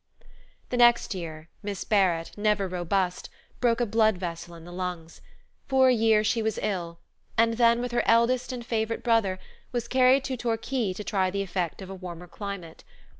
The next year Miss Barrett, never robust, broke a blood vessel in the lungs. For a year she was ill, and then with her eldest and favorite brother, was carried to Torquay to try the effect of a warmer climate.